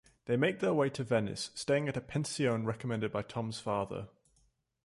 They make their way to Venice, staying at a "pensione" recommended by Tom's father.